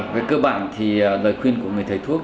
về cơ bản thì lời khuyên của người thầy thuốc